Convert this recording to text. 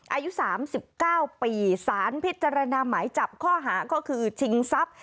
อายุ๓๙ปีสารพิจารณาหมายจับข้อหาก็คือชิงทรัพย์